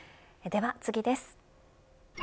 では次です。